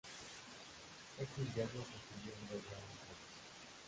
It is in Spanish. Ese invierno construyeron dos grandes botes.